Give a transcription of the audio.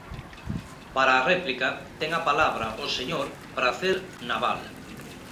Para a réplica ten a palabra o señor Pracer Nabal.